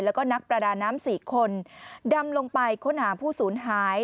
แล้วก็นักประดาน้ำ๔คนดำลงไปค้นหาผู้สูญหาย